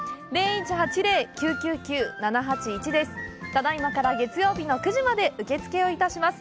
ただいまから月曜日の９時まで受付をいたします。